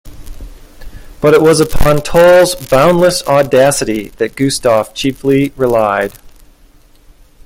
But it was upon Toll's boundless audacity that Gustav chiefly relied.